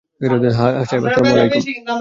হ্যাঁঁ সাহেব, আসসালাম আলাইকুম।